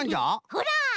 ほら！